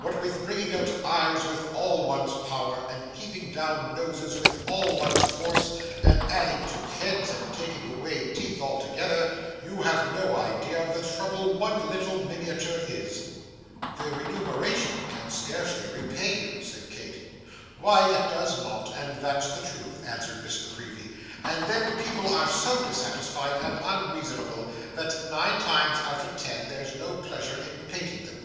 'What with bringing out eyes with all one's power, and keeping down noses with all one's force, and adding to heads, and taking away teeth altogether, you have no idea of the trouble one little miniature is.' 'The remuneration can scarcely repay you,' said Kate. 'Why, it does not, and that's the truth,' answered Miss La Creevy; 'and then people are so dissatisfied and unreasonable, that, nine times out of ten, there's no pleasure in painting them.